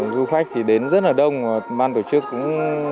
du khách thì đến rất là đông ban tổ chức cũng